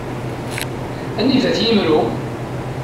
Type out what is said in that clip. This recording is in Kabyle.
Anida-t yimru?